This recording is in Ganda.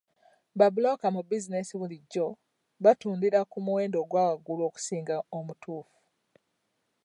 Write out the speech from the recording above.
Ba bulooka mu bizinesi bulijjo batundira ku muwendo gwa waggulu okusinga omutuufu.